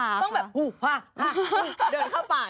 ไม่ต้องแบบหูอ่ออะเดินเข้าป่า